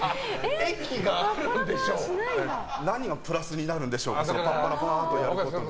何のプラスになるんでしょうかパッパラパー！とすることで。